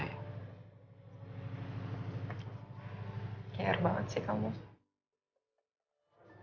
kaya banget sih kamu